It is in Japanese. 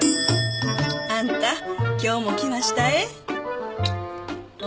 あんた今日も来ましたえ。